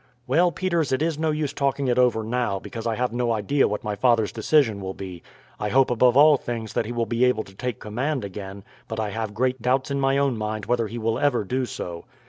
"Well, Peters, it is no use talking it over now, because I have no idea what my father's decision will be. I hope above all things that he will be able to take command again, but I have great doubts in my own mind whether he will ever do so.